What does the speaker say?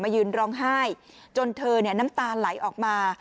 ยืนร้องไห้จนเธอน้ำตาไหลออกมา